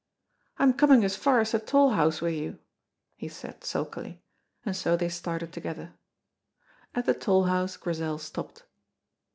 "I'm coming as far as the toll house wi' you," he said, sulkily, and so they started together. At the toll house Grizel stopped.